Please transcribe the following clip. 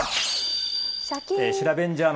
シラベンジャー！